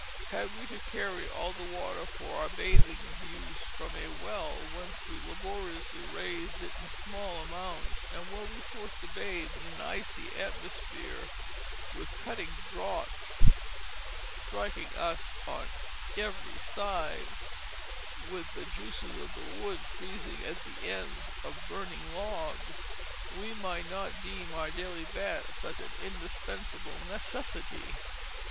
Had we to carry all the water for our bathing use from a well whence we laboriously raised it in small amounts, and were we forced to bathe in an icy atmosphere, with cutting draughts striking us on every side, with the basins of water freezing on the hearth in front of a blazing fire, and the juices of the wood freezing at the ends of burning logs, we might not deem our daily bath such an indispensable necessity.